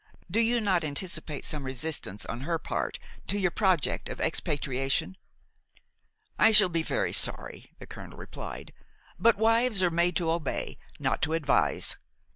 Do you not anticipate some resistance on her part to your project of expatriation?" "I shall be very sorry," the colonel replied, "but wives are made to obey, not to advise.